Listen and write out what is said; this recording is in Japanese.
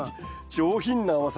上品な甘さ。